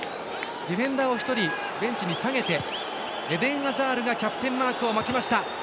ディフェンダーを１人ベンチに下げてエデン・アザールがキャプテンマークを巻きました。